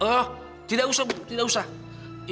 ibu tidak perlu rempah rempah mengembalikannya